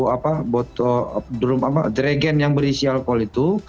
dua apa botol jerigen yang berisi alkohol itu